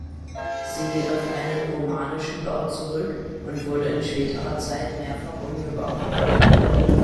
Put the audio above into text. Sie geht auf einen romanischen Bau zurück und wurde in späterer Zeit mehrfach umgebaut.